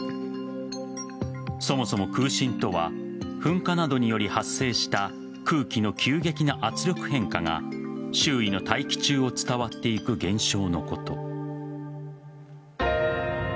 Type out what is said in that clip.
そもそも、空振とは噴火などにより発生した空気の急激な圧力変化が周囲の大気中を伝わっていく現象のこと。